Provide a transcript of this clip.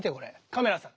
カメラさん